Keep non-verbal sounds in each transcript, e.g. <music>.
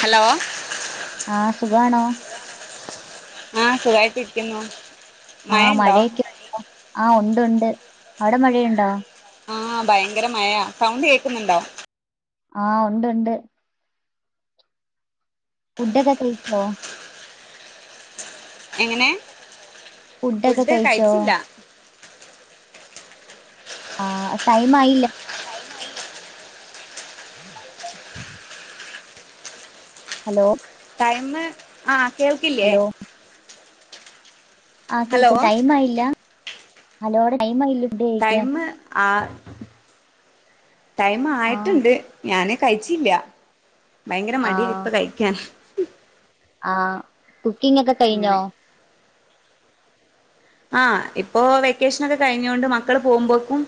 Hello ആഹ് സുഖണോ ആഹ് സുഖായിട്ടിരിക്കുന്നു ആഹ് മഴണ്ടോ മഴയൊക്കെോ ആഹ് ഉണ്ട് ഉണ്ട് അവിടെ മഴയുണ്ടോ ആഹ് ഭയങ്കര മഴ സൗണ്ട് കേക്കുന്നുണ്ടോ ആഹ് ഉണ്ട് ഉണ്ട് ഫുഡൊക്കെ കയ്ച്ചോ എങ്ങനെ ഫുഡൊക്കെ ഫുഡ് കഴിച്ചോ? കഴിച്ചില്ല ആഹ് ടൈം ആയില്ല ഹലോ ടൈമ് ആഹ് കേൾക്കില്ലേ ആ ഹലോ കേക്ക് ടൈമ് ആയില്ല ഹലോടെ ടൈമ് ആയില്ല ഫുഡ് കഴിക്കാൻ. ടൈമ് ആ ടൈമ് ആഹ് ആയിട്ടുണ്ട് ഞാന് കഴിച്ചില്ല ഭയങ്കര മടിയായി ആഹ് ഇപ്പ കഴിക്കാൻ ആഹ് കുക്കിംഗ് ഒക്കെ കഴിഞ്ഞോ അങ്ങനെ ആഹ് ഇപ്പോൊ വെക്കേഷൻൊക്കെ കഴിഞ്ഞൊണ്ട് മക്കള് പോവുമ്പോക്കും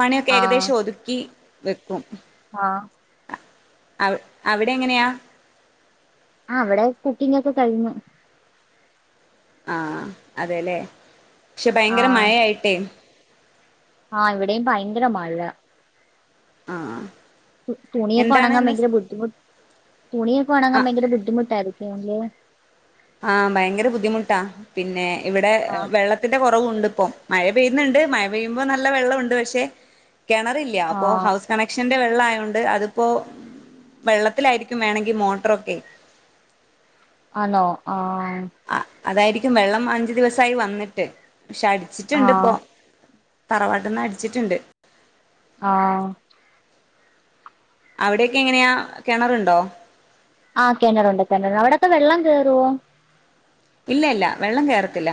പണിയൊക്കെ ഏകദേശം ഒതുക്കി വെക്കും ആ അ അവിടെ എങ്ങനെയാ ആ അവിടെ കുക്കിംഗ് ഒക്കെ കഴിഞ്ഞു ആ അതെല്ലേ പക്ഷെ ഭയങ്കര ആഹ് മഴയായിട്ടേ ആഹ് ഇവിടെയും ഭയങ്കര മഴ ആ തുണിയൊക്കൊണെങ്കാൻ ഭയങ്കര തുണിയൊക്കെ ആ ഒണങ്ങാൻ ഭയങ്കര ബുദ്ധിമുട്ടായിരുന്നു അല്ലേ ആഹ് ഭയങ്കര ബുദ്ധിമുട്ടാ പിന്നെ ഇവിടെ ആഹ് വെള്ളത്തിന്റെ കൊറവുണ്ട് മഴ പെയ്യുന്നുണ്ട് മഴ പെയ്യുമ്പോ നല്ല വെള്ളമുണ്ട് പക്ഷെ കെണറില്ല അപ്പോ ആഹ് ഹൗസ് കണക്ഷൻ ക്ഷന്റെ വെള്ളം ആയോണ്ട് അതിപ്പോൊ വെള്ളത്തിലായിരിക്കും വേണമെങ്കിൽ മോട്ടറൊക്കെ ആണോ ആ ആ അതായിരിക്കും വെള്ളം അഞ്ചു ദിവസായി വന്നിട്ട് പക്ഷെ അടിച്ചിട്ടുണ്ട് ആഹ് ഇപ്പൊ തറവാട്ടിന്ന് അടിച്ചിട്ടുണ്ട് ആ അവിടെയൊക്കെ എങ്ങനെയാ കെണറുണ്ടോ ആ കെണറുണ്ട് കെണറുണ്ട് അവിടൊക്കെ വെള്ളം കേയറോ ഇല്ല ഇല്ല വെള്ളം കേറത്തില്ല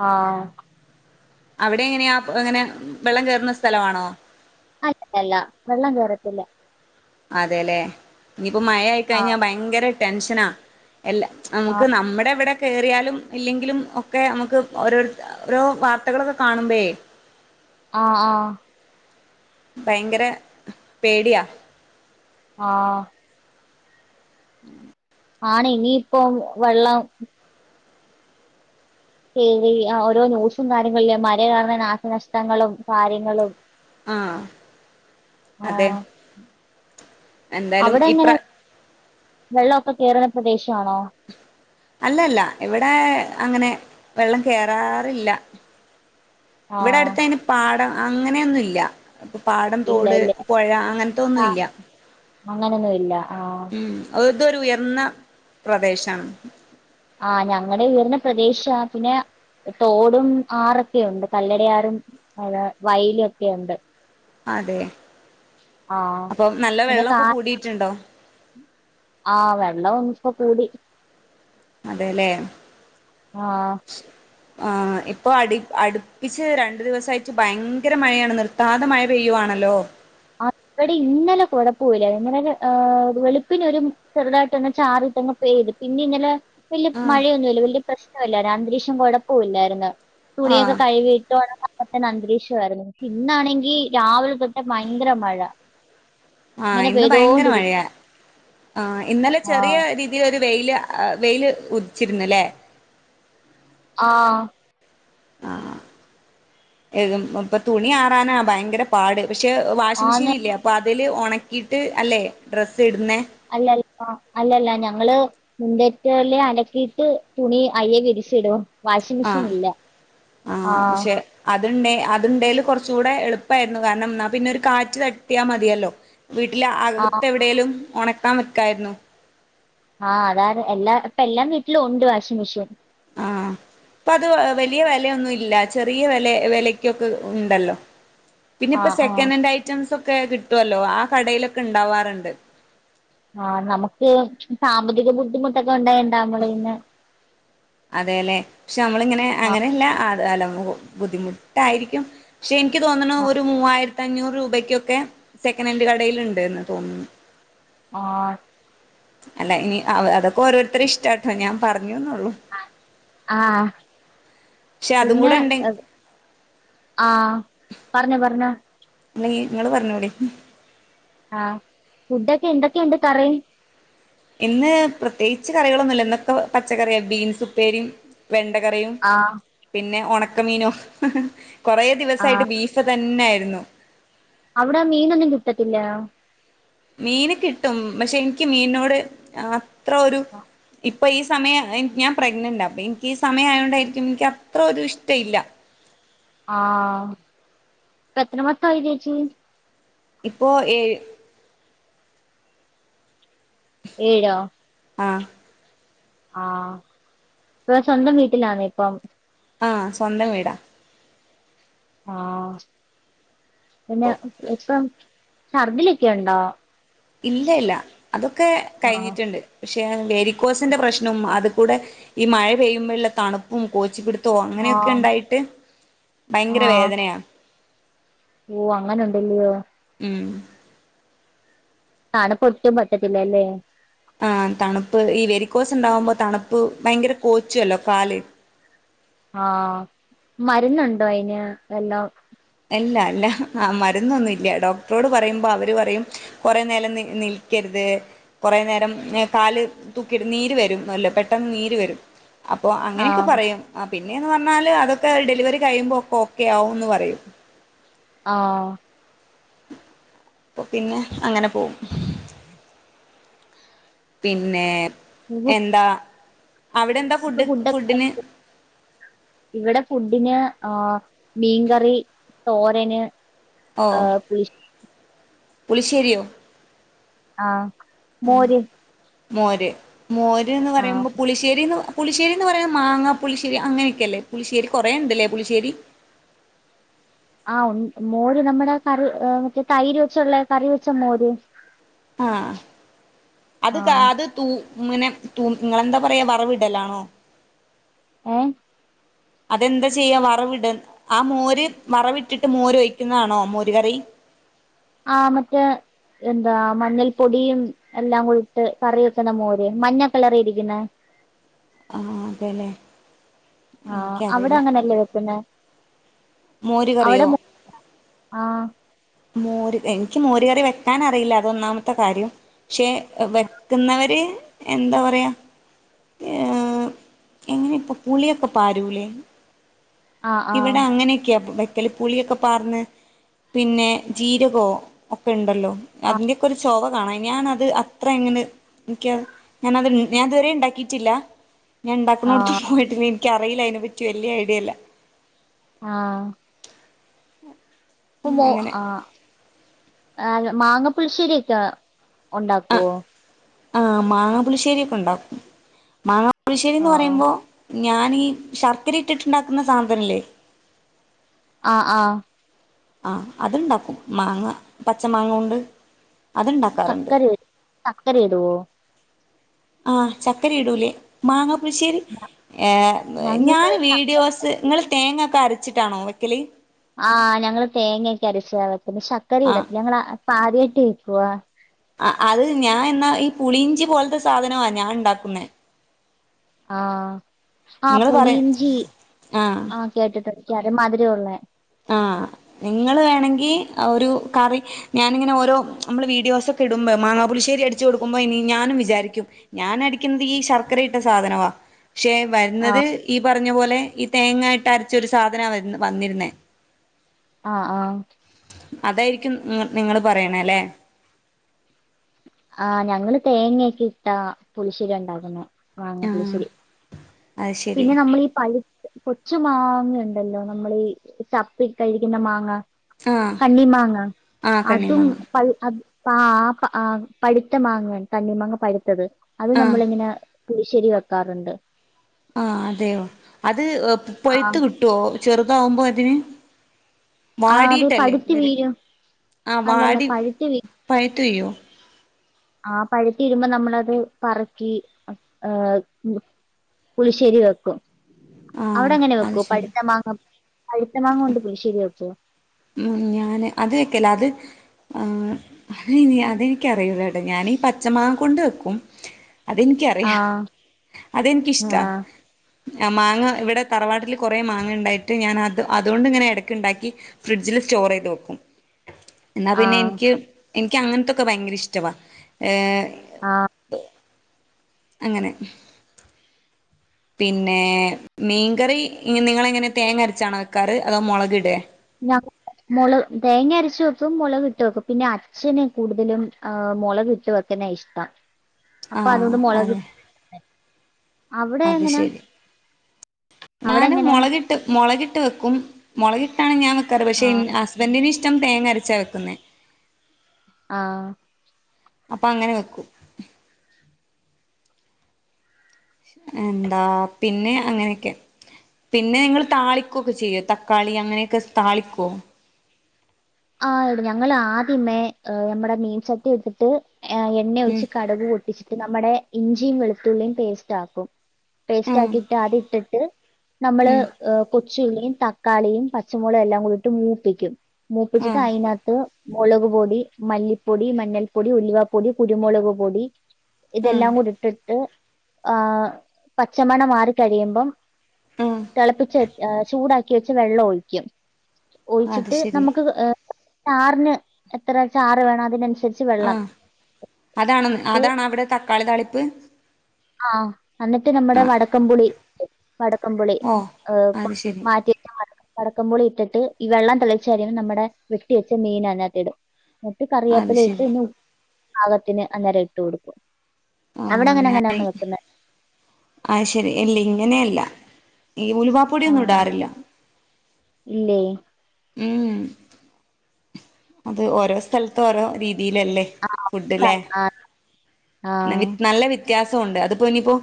ആ അവിടെ എങ്ങനെയാ എങ്ങനെ വെള്ളം കെയറുന്ന സ്ഥലമാണോ അല്ല അല്ല വെള്ളം കേയറത്തില്ല അതെല്ലെ ഇനിയിപ്പോ മഴ ആഹ് ആയിക്കഴിഞ്ഞാ ഭയങ്കര ടെൻഷനാ അല്ല നമുക്ക് ആഹ് നമ്മുടെ ഇവിടെ കയറിയാലും ഇല്ലെങ്കിലും ഒക്കെ നമുക്ക് ഓരോ ഓരോ വാർത്തകളൊക്കെ കാണുമ്പഴേ ആ ആ ഭയങ്കര പേടിയാ ആഹ ഉം ആണെ ഇനിയിപ്പൊ വെള്ളം കേറി ഓരോ ന്യൂസും കാര്യങ്ങളില്ലേ മഴ കാരണം നാശനഷ്ടങ്ങളും കാര്യങ്ങളും ആ അതെ ആഹ് എന്തായാലും അവിടെ എങ്ങനെ ഇപ്രാ വെള്ളമൊക്കെ കേയറുന്ന പ്രദേശാണോ അല്ലല്ല ഇവിടെ അങ്ങനെ വെള്ളം കേറാറില്ല ഇവിടെ ആഹ് അടുത്ത അയിന് പാടം അങ്ങനെയൊന്നുല്ല അപ്പൊ പാടം ഇല്ല തോട് ഇല്ല പൊഴ അങ്ങനത്തൊന്നും ആഹ് ഇല്ല അങ്ങനൊന്നും ഇല്ല ആ ഉം ഇതൊരു ഉയർന്ന പ്രദേശാണ് ആ ഞങ്ങടെ ഉയർന്ന പ്രദേശാ പിന്നെ തോടും ആറൊക്കെ ഉണ്ട്.. കല്ലടയാറും വയലും ഒക്കെയുണ്ട് അതെ ആഹ് അപ്പൊ നല്ല വെള്ളമൊക്കെ കൂടിട്ടുണ്ടോ ആഹ് വെള്ളം ഒന്ന് ഇപ്പോ കൂടി അതെല്ലേ ആഹ് ആ് ഇപ്പോ അടി അടുപ്പിച്ച് രണ്ടു ദിവസമായിട്ട് ഭയങ്കര മഴയാണ് നിർത്താതെ മഴ പെയ്യുകയാണ് ഹലോ ആ അവിടെ ഇന്നലെ കൊഴപ്പുല്ല ഇന്നലെ വെളുപ്പിന് ഒരു ചെറുതായിട്ടോന്ന് ചാറി ങ്ങ <unintelligible> പെയ്ത് പിന്നെ ഇന്നലെ വല്യ ആഹ് മഴയൊന്നുല്ല വല്യ പ്രശ്നവും ഇല്ലായിരുന്നു അന്തരീക്ഷം കൊഴപ്പമില്ലായിരുന്നു തുണിയൊക്കെ ആഹ് കഴുകി <unintelligible> അന്തരീക്ഷാ യിരുന്നു. ഇന്നാണെങ്കി രാവിലെ തൊട്ട് മഴ ങ്കരമഴ ആഹ ഇന്ന് ഭയങ്കര മഴയാ ആ ഇന്നലെ ചെറിയ ആഹ് രീതിലൊരു വെയിലാ ആ വെയില് ഉദിച്ചിരുന്ന്ല്ലേ ആ അ ആ ഏതും ഇപ്പൊ തുണി ആറാനാ ഭയങ്കര പാട് പക്ഷെ വാഷിംഗ് ആന്ന് മിഷീനില്ലേ അപ്പൊ അതില് ഒണക്കീട്ട് അല്ലേ ഡ്രസ് അല്ലല്ല അല്ലല്ല ഞങ്ങള് <unintelligible> അലക്കീട്ട് തുണി അയ്യെയെ വിരിച്ചിടോ? വാഷിംഗ് മെഷീൻ ആഹ് ഇല്ല ആഹ <unintelligible> അത് ഇണ്ടേല് കൊർച്ചൂടെ എളുപ്പായിരുന്നു കാരണം എന്നാ പിന്നെ ഒരു കാറ്റ് തട്ടിയാ മതിയല്ലോ. വീട്ടിലെ അ ആ അകത്തെവിടെലും ഒണക്കാൻ വക്കായിർന്നു. ആ അതാണ് എല്ലാ ഇപ്പൊ എല്ലാം വീട്ടിലും ഒണ്ട് വാഷിംഗ് മിഷീൻ ഇപ്പത് വലിയ വെലയൊന്നും ഇല്ല ചെറിയ വെല വെലക്കൊക്കെ ഉണ്ടല്ലോ പിന്നെ ഇപ്പ ആഹ് ആഹ് സെക്കനൻഡ് ഐറ്റംസ് ഒക്കെ കിട്ടൊല്ലോ, ആ കടയിലൊക്കെ ഇണ്ടാവാറുണ്ട്. ആഹ നമക്ക് സാമ്പത്തിക ബുദ്ധിമുട്ടൊക്കെ ഉണ്ടായോണ്ടമ്മള് പിന്നെ അതേലെ പക്ഷെ അമ്മളിങ്ങനെ ആഹ് അങ്ങനെല്ലാ അ <unintelligible> ബുദ്ധിമുട്ടായിരിക്കും പക്ഷെ ഇനിക്ക് തോന്നുണു ആഹ് ഒരു മൂവായിരത്തി പത്തഞ്ഞൂറ് രൂപയ്ക്കൊക്കെ സെക്കനന്റ് കടയില്ണ്ട്ന്ന തോന്നുന്നേ ആ അല്ല ഇനി അ ഒ അതൊക്കെ ഓരോരുത്തരെ ഇഷ്ടാട്ടോ ഞാൻ പറഞ്ഞ അ അആ പക്ഷെ അതും പിന്നെ കൂടെ ഉണ്ടെ ആ പർഞ്ഞോ പർഞ്ഞോ <unintelligible> ഇങ്ങള് പറഞ്ഞൂടി ആഹ് ഫുഡൊക്കെ എന്തൊക്കെയുണ്ട് കറി ഇന്ന് പ്രത്യേകിച്ച് കറികളൊന്നുല്ല ഇന്ന് പ്പോ പച്ചക്കറിയാ ബീൻസ് ഇപ്പേരിം വെണ്ടകറിയും ആഹ് പിന്നെ ഉണക്കമീനും കൊറേ ദിവസായിട്ട് ബീഫ് തന്നെ. <unintelligible> യിരുന്നു. അവ്ടാ മീനൊന്നും കിട്ടത്തില്ലാ മീന് കിട്ടും പക്ഷെ ഇൻക്കി മീനോട് അത്ര ഒരു ഇ ഇപ്പൊ ഈ സമയം എനി ഞാൻ പ്രഗ്നന്റാ അപ്പനിക്കീ സമയായോണ്ടായിരിക്കും എനിക്ക് അത്ര ഒരു ഇഷ്ടയില്ല. ഇപ്പോ എത്ര മൊത്തായി ചേച്ചി ഇപ്പോ ഏഴ് ഏഴോ ആ ആഹ ഇപ്പൊ സ്വന്തം വീട്ടിലാന്നോ ഇപ്പം ആ സ്വന്തം വീടാ ആ പിന്നെ ഇപ്പം ഛർദിലൊക്കെയുണ്ടോ? ഇല്ല ല്ല അതൊക്കെ ആഹ് കഴിഞ്ഞിട്ട്ണ്ട്. പക്ഷേ വെരിക്കോസിന്റെ പ്രശ്നും അതികൂടെ ഈ മഴ പെയ്യുമ്പഴുള്ള തണുപ്പും കോച്ചി പിടി തോ ആഹ് അങ്ങനെയൊക്കെണ്ടായിട്ട് ഭയങ്കര വേദനയാ ഓ അങ്ങനുണ്ടല്ലയോ? മ് തണുപ്പൊട്ടും പറ്റത്തില്ലല്ലേ ആഹ തണുപ്പ് ഈ വെരിക്കോസ് ണ്ടാവുമ്പോ തണുപ്പ് ഭയങ്കര കോച്ചോല്ലോ കാല് ആഹാ മരുന്നുണ്ടോ അയിന് എല്ലാം ഇല്ല ല്ല ആ മരുന്നൊന്നും ഇല്ല ഡോക്ടറോട് പറയുമ്പോ അവർ പറയും കുറേ നേരം നിൽക്കരുത്. <unintelligible> കൊറെ നേരം എ കാല് തൂക്കിട്ട് നീര്‌വെരും നല്ലം പെട്ടെന്ന് നീര്‌വെരും. അപ്പോ അങ്ങനെയൊക്കെ ആഹ് പറയും ആഹ് പിന്നെന്ന് പറഞ്ഞാല് അതൊക്കെ ഡെലിവറി കഴിയുമ്പോക്കെ ഓക്കെ ആവുംന്ന് പറയും. ആ.. അപ്പ പിന്നെ അങ്ങനെ പോവും. പിന്നെ ഇപ്പൊ എന്താ. അവിടെ എന്താ <unintelligible> ഫുഡ് ഫുഡൊക്കെ ഫുഡിന് കഴിച്ചോ? ഇവിടെ ഫുഡിന്. ആ മീൻകറി, തോരന്, ഓ ആ പുളിശേരി. പുളിശ്ശേരിയോ? ആഹ് മോര്. മോര് മോര്ന്ന് ആഹ് പറയുമ്പോ പുളിശ്ശേരിന്ന്. പുളിശേരിന്ന് പറയുന്നത് മാങ്ങ പുളിശ്ശേരി അങ്ങനെയൊക്കെ അല്ലേ പുളിശ്ശേരി കൊറേ ഇണ്ട്ല്ലേ പുളിശേരി. <inaudible> ആ മ് മോര് നമ്മുടെ കറി ഹ് മറ്റേ തൈര് വെച്ചുള്ള കറി വെച്ച മോര്. ആഹ് അത് ആഹ് അത് തൂ - ഇങ്ങനെ തൂ നിങ്ങളെന്താ പറയാ വറവിടലാണോ? ഏ. അതെന്താ ചെയ്യാ വറവിട് ആ മോര് വറവിട്ടിട്ട് മോര് ഒഴിക്കുന്നതാണോ മോര് കറി. ആ മറ്റേ. എന്താ മഞ്ഞൾ പൊടിയും എല്ലാം ഇട്ട് കറി വെക്കുന്ന മോര് മഞ്ഞ കളറിരിക്കുന്നെ ആ അതെല്ലേ. ആഹ് അവിടെ എനിക്കറിയില്ല ങ്ങനല്ലേ വെക്കുന്നെ. മോര് അവിടെ കറിയോ <unintelligible> ആഹ്. മോര് എനിക്ക് മോര് കറി വെക്കാനറിയില്ല അതൊന്നാമത്തെ കാര്യം. ക്ഷെ വെക്കുന്നവര്. എന്താ പറയാ ഏ ഹ് എങ്ങനെപ്പം പുളിയൊക്കെ പാരൂലെ. ആഹ് ആഹ് ഇവിടെ അങ്ങനെയൊക്കെയാ വെക്കല് പുളിയൊക്കെ പാർന്ന് പിന്നെ. ജീരകോ ഒക്കെ ഉണ്ടല്ലോ ആഹ് അതിന്റൊക്കെ ഒരു ചൊവ. <unintelligible> ഞാനത് അത്ര ങ്ങട് ൻക്ക് ഞാനത് ഞാതുവരെ ണ്ടാക്കിറ്റില്ല. ആഹ് ഞാണ്ടാക്കുണോട്ത്ത് പോയിട്ടില്ല ഇൻക്കറീല്ല അയിനെ പറ്റി വല്ല്യ ഐഡിയല്ല. ആഹ്. ഇപ്പ മോ അങ്ങനെ ആ ഏ മാങ്ങ പുളിശ്ശേരി ക്ക. ഉണ്ടാക്കുവോ? ആഹ് മാങ്ങ പുളിശ്ശേരിക്കെ ഉണ്ടാക്കും മാങ്ങപുളിശ്ശേരിന്ന് ആഹ് പറയുമ്പോ. ഞാനീ ശർക്കര ഇട്ടിട്ടുണ്ടാക്കുന്ന സാധാനല്ലേ? ആ ആഹ്. ആ അത്ണ്ടാക്കും മാങ്ങ പച്ച മാങ്ങോണ്ട്. സക്കര സക്കര ഇടുവോ? ആഹ് ചക്കര ഇടൂലേ മാങ്ങ ളിശേരി ഏഹ് ഞങ്ങള് ഞാൻ വീഡിയോസ് ങ്ങള് തേങ്ങക്കെ അര വച്ചിട്ടാണോ വെക്കലി ആഹ് ഞങ്ങള് തേങ്ങൊക്കെ അരച്ചാ വെക്കല് ശക്കര ആഹ് ഇടത്തില്ല ഞങ്ങള് <unintelligible> വാ. അ അവ് ഞാ എന്നാ ഈ പുളിഞ്ചി പോൽത്തെ സാധനവാ ഞാൻ ഉണ്ടാക്കുന്നേ. ആഹ് ആ ഇങ്ങള് പറയും പുളിഞ്ചി ആഹ് ആ കേട്ടിട്ട് <unintelligible> മാതിരിയ ഉള്ളേ. ആ നിങ്ങൾ വേണെങ്കി ഒരു കറി ഹ് ഞാനിങ്ങനെ ഓരോ നമ്മൾ വീഡിയോസൊക്കെ ഇടുമ്പോ. മാങ്ങാ പുലിശ്ശേരി അടിച്ചു കൊടുക്കുമ്പോ ഇനി ഞാനും വിജാരിക്കും ഞാനടിക്കുന്നത് ഈ ശർക്കരയിട്ട സാധനവാ. ക്ഷെ വരുന്നത് ആഹ് ഈ പറഞ്ഞ പോലെ ഈ തേങ്ങായിട്ട് അരച്ചൊരു സാധനാ വ വന്നിരുന്നേ. ആ ആഹ്. അതായിരിക്കും ഹ്മ് നിങ്ങള് പറിണെ ലെ. ആഹ് ഞങ്ങള് തേങ്ങൊക്കെ ഇട്ടാ പുളിശേരി ഉണ്ടാക്കുന്ന മാങ്ങ ആഹ് പുളിശ്ശേരി. അത് ശരി പിന്നെ നമ്മളീ പഴു കൊച്ചു മാങ്ങയുണ്ടല്ലോ? നമ്മളീ ചപ്പി കഴിക്കുന്ന മാങ്ങ. ആഹ് കണ്ണിമാങ്ങ ആഹ് അതും കണ്ണിമാങ്ങ പഴ് അത് ആ ആ പ ആ പഴ്ത്ത മാങ്ങയാണ് കണ്ണിമാങ്ങ പഴ്ത്തത്. അത് ആഹ് നമ്മളിങ്ങനെ പുളിശ്ശേരി വെക്കാറ്ണ്ട്. ആ അതെയോ. അത് ആ പൊയ്ത്ത് കിട്ടുവോ? ചെറുതാവുമ്പോ അതിന് ആ അത് വാടിട്ടല്ലേ പഴുത്ത് വര. വീഴും ആ അല്ലല്ല വാടി പഴുത്ത് വീ പഴ്‌ <unintelligible> ആ പഴുത്തി ഇരുമ്പോ നമ്മളത് പറക്കി പുളിശ്ശേരി വെക്കും. ആഹ് അവിടങ്ങനെ അത് വെക്കൊ? ശരി പഴ്ത്ത മാങ്ങ പഴ്‌ത്ത മാങ്ങോണ്ട് പുളിശ്ശേരി വെക്കോ? ഉം. ഞാന് അത് വെക്കല്ല. അത് ആ. അതെനിക്കറിയൂല്ല കേട്ടോ. ഞാനീ പച്ച മാങ്ങ കൊണ്ട് വെക്കും. അതെനിക്കറിയാം. ആഹ് അതെനിക്കിഷ്ടാ. ആഹ് ആ മാങ്ങ ഇവിടെ തറവാട്ടിൽ കുറെ മാങ്ങണ്ടായിട്ട്, ഞാൻ അത് അതുകൊണ്ടിങ്ങനെ എടക്ക്ണ്ടാക്കി ഫ്രിഡ്ജില് സ്റ്റോറൈയ്ത് വെക്കും. ആഹ് എന്നാപ്പിന്നെനിക്ക് എനിക് ക്കങ്ങനത്തൊക്കെ ഭയങ്കര ഇഷ്ടവാ. ഏ ആഹ് അങ്ങനെ. പിന്നെ മീൻകറി നിങ്ങളെങ്ങനെ തേങ്ങ അരച്ചാണോ വെക്കാറ്? അതോ മൊളകിട്എ? <unintelligible> മൊള്, തേങ്ങ അരച്ചു വെക്കും മുളക്ട്ട് വെക്കും പിന്നെ അച്ഛന് കൂടുതലും മുളകിട്ട് വെക്ക്‌ന്ന ഇഷ്ട. അപ്പൊ ആഹ് അതുകൊണ്ട് അതെ മുളകിട്ട് അത് ശരി. അവിടെ ഞാന് എങ്ങനാ മുളകിട്ട് മുളകിട്ട് വെക്കും. മുളകിട്ടാണ് ഞാൻ വെക്കാറ്. പക്ഷെ ഇൻ ആഹ് ഹസ്ബൻറിന് ഇഷ്ടം തേങ്ങ അരച്ച വെക്കുന്നെ. ആഹ് അപ്പ അങ്ങനെ വെക്കും. എന്താ പിന്നെ അങ്ങനെയൊക്കെ. പിന്നെ നിങ്ങൾ താളിക്കൊക്കെ ചെയ്യോ? തക്കാളി അങ്ങനെയൊക്കെ സ്താളിക്കൊ? ആ എ ഞങ്ങൾ ആദ്യമേ മ്മടെ മീൻ ചട്ടി എടുത്തിട്ട് എണ്ണ ഉം ഒയിച്ച് കടുക് പൊട്ടിച്ചിട്ട് നമ്മടെ ഇഞ്ചിയും വെളുത്തുള്ളിയും പേസ്റ്റ് ആക്കും. ഉം പേസ്റ്റാക്കിട്ട് അതിട്ടിട്ട് നമ്മള് ഉം കൊച് ച്ചുള്ളിയും തക്കാളിയും പച്ചമുളകെല്ലാം കൂടിട്ട് മൂപ്പിക്കും മൂപ്പിച്ചിട്ട് ആഹ് അയിനാത്ത് മൊളക് പൊടി, മല്ലിപ്പൊടി, മഞ്ഞൾ പൊടി, ഉലുവപ്പൊടി, കുരുമുളക് പൊടി ആഹ് ഇതെല്ലാം കൂടിട്ടിട്ട് ആ പച്ചമണമാറി കഴിയുമ്പം ആഹ് തെളപ്പിച്ച ചൂടാക്കി വെച്ച വെള്ളം ഒഴിക്കും. അത് ഒഴിച്ചിട്ട് ശരി നമുക്ക് ഏ ചാറിന് എത്ര ചാറ് വേണം അതിനനുസരിച്ച് വെള്ളം ആഹ് അതാണ് അതാണവടെ തക്കാളി താളിപ്പ്? ആഹ്. എന്നിട്ട് നമ്മടെ ആഹ് വടക്കംപുളി വടക്കംപുളി, ഓ ഉ അത് ശരി മാറ്റിയിട്ട വടക്കംപുളി ഇട്ടിട്ട് ഈ വെള്ളം തിള നമ്മടെ വെട്ടി വെച്ച മീനതിനകത്തിടും. എന്നിട്ട് അത് കറിയേപ്പില ഇട്ട് ശരി ഇനിയുപ്പ് പാകത്തിന് അന്നേരം ഇട്ട് കൊടുക്കും. അവിടെ ആഹ്. അങ്ങനെ അങ്ങനെ ഞാൻ. ഒന്ന് വെക്കുന്നത് ആ ശരി ഇല്ലിങ്ങനെയല്ല. ഈ ആ ഉലവാപ്പൊടിയൊന്നും ഇടാറില്ല. ഇല്ലേ ഉം അത് ഓരോ സ്ഥലത്ത് ഓരോ രീതി തിയിലല്ലേ ആ ഫുഡ്ല്ലേ സൽ- ആ ആ നല്ല വ്യത്യാസ തുണ്ട്. അതിപ്പോ ഇനിയിപ്പോ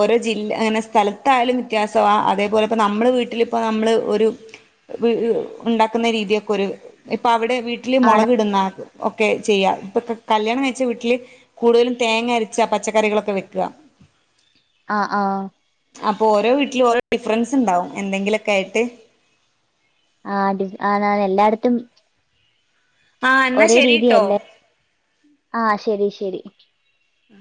ഓരോ ജില്ല, അങ്ങനെ സ്ഥലത്തായാലും വ്യത്യാസവാ അതേപോലെ ഇപ്പോ നമ്മുടെ വീട്ടിലും. ഇപ്പോ നമ്മള് ഒരു ഉണ്ടാക്കുന്ന രീതിയൊക്കെ ഒരു ഇപ്പ അവിടെ വീട്ടില് ആണ് മുളക് ഇടുന്ന ഒക്കെ ചെയ്യ ഇപ്പൊ കല്യാണം കഴിച്ച വീട്ടില് കൂടുതലും തേങ്ങ അരച്ച പച്ചക്കറികളൊക്കെ വെക്കുക ആഹ ആഹ അപ്പൊ ഓരോ വീട്ടിലും ഓരോ ഡിഫറൻസ് ഉണ്ടാവും എന്തെങ്കിലും ഒക്കെ ആയിട്ട് ആ ആണ് ആണ് എല്ലായിടത്തും ആ എന്നാ ഒരേ ശരിട്ടോ രീതിയല്ല ആഹ ശരി ശരി ഉഹ